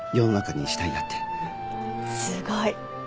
すごい。